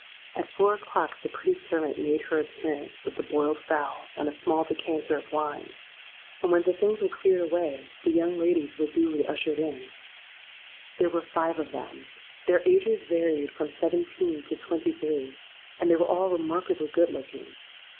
"At four o'clock the pretty servant made her appearance with the boiled fowl and a small decanter of wine; and when the things were cleared away, the young ladies were duly ushered in. There were five of them. Their ages varied from seventeen to twenty three; and they were all remarkably good looking.